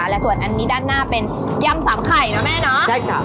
และส่วนอันนี้ด้านหน้าเป็นยำสามไข่นะแม่เนาะ